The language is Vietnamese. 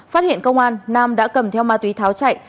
phát hiện công an nam đã cầm theo ma túy tháo chạy